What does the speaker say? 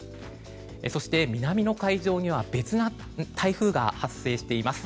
そして、南の海上には別の台風が発生しています。